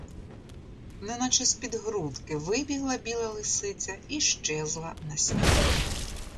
Неначе з-під грудки вибігла біла лисиця і щезла на снігу.